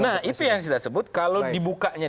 nah itu yang sudah saya sebut kalau dibukanya